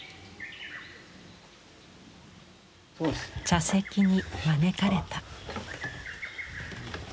茶席に招かれた。